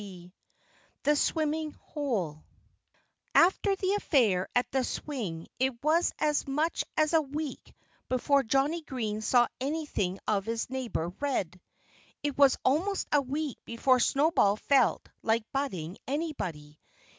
XX THE SWIMMING HOLE After the affair at the swing it was as much as a week before Johnnie Green saw anything of his neighbor Red. It was almost a week before Snowball felt like butting anybody.